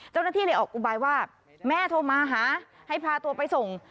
เจ้าหน้าที่เลยออกอุบายว่าแม่โทรมาหาให้พาตัวไปส่ง